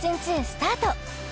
スタート